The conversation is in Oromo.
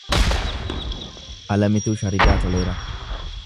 Alaamiituu Sharidaa Toleeraa